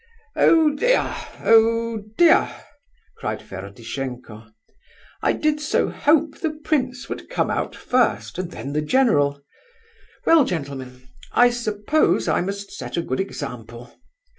"Oh, dear! oh, dear!" cried Ferdishenko. "I did so hope the prince would come out first, and then the general. Well, gentlemen, I suppose I must set a good example!